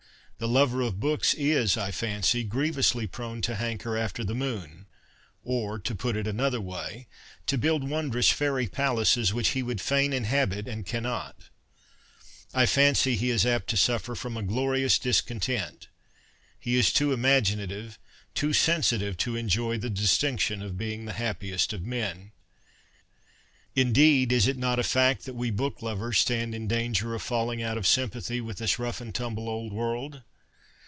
The lover of books is, I fancy, grievously prone to hanker after the moon, or, to put it another way, to build wondrous fairy palaces, which he would fain inhabit and cannot. I fancy he is apt to suffer from a ' glorious discontent.' He is too imaginative, too sensitive, to enjoy the distinction of being the happiest of men. Indeed, is it not a fact that we book lovers stand in danger of falling out of sympathy with this rough and tumble old world